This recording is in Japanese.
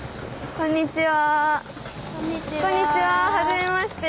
こんにちは。